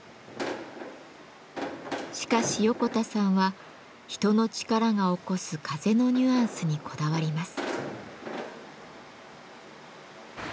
しかし横田さんは人の力が起こす風のニュアンスにこだわります。